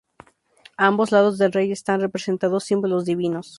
A ambos lados del rey están representados símbolos divinos.